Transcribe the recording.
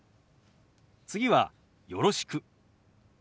次は「よろしく」。